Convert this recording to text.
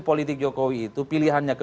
politik jokowi itu pilihannya ke